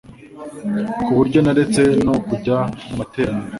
ku buryo naretse no kujya mu materaniro.